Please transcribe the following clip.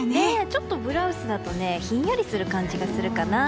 ちょっとブラウスだとひんやりする感じがするかな。